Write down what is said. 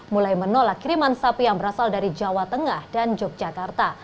mulai menolak kiriman sapi yang berasal dari jawa tengah dan yogyakarta